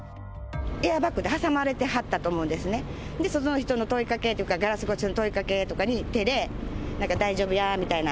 エアバッグで挟まれていたと思うんですね、その人の問いかけというか、ガラス越しの問いかけとかに手でなんか大丈夫やみたいな。